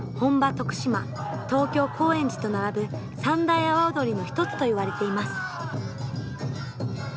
徳島東京・高円寺と並ぶ三大阿波踊りの一つといわれています。